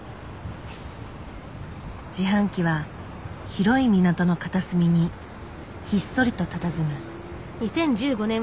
自販機は広い港の片隅にひっそりとたたずむ。